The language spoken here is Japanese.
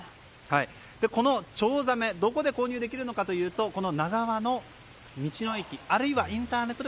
このチョウザメどこで購入できるのかというと長和の道の駅あるいはインターネットで